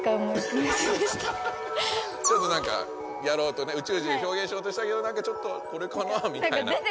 ちょっとなんかやろうとね宇宙人表現しようとしたけどなんかちょっとこれかなぁみたいな。